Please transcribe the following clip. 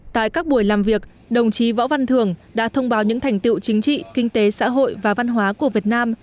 tại các buổi làm việc đồng chí võ văn thường đã thông báo những thành tiệu chính trị kinh tế xã hội và văn hóa của việt nam